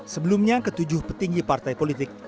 sebelumnya ketujuh petinggi partai politik